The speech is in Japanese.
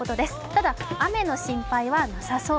ただ、雨の心配はなさそう。